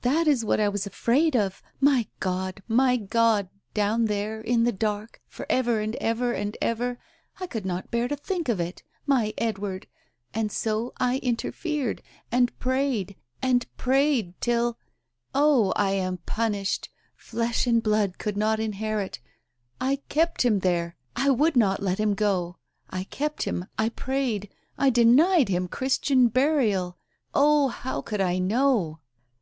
"That is what I was afraid of. My God ! My God ! Down there — in the dark — for ever and ever and ever ! I could not bear to think of it ! My Edward I And so I interfered ... and prayed ... and prayed till ... Oh ! I am punished. Flesh and blood could not in herit 1 I kept him there — I would not let him go. ... I kept him. ... I prayed. ... I denied him Christian burial. ... Oh, how could I know.